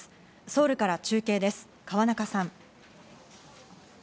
ソウルから中継です、河中さん。